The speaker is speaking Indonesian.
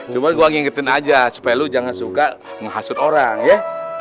cuma gue ngingetin aja supaya lo jangan suka ngehasut orang ya